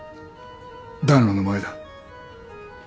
暖炉の前だ。